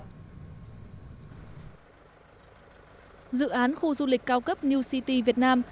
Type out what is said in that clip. dự án khu du lịch cao cấp new city